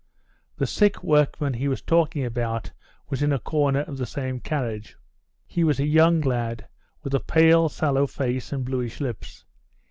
The sick workman he was talking about was in a corner of the same carriage. He was a young lad, with a pale, sallow face and bluish lips.